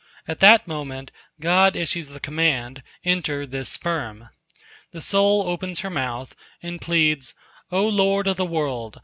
At that moment, God issues the command, "Enter this sperm." The soul opens her mouth, and pleads: "O Lord of the world!